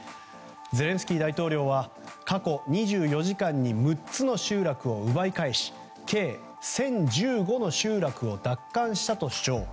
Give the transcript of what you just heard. ゼレンスキー大統領は過去２４時間に６つの集落を奪い返し計１０１５の集落を奪還したと主張。